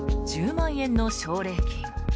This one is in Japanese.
１０万円の奨励金。